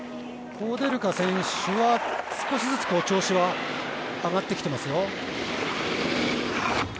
コウデルカ選手は少しずつ調子は上がってきていますよ。